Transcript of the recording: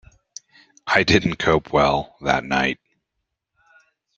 I didn't cope well that night.